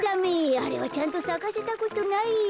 あれはちゃんとさかせたことないよ。